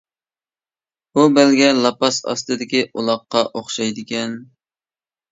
بۇ بەلگە لاپاس ئاستىدىكى ئۇلاققا ئوخشايدىكەن.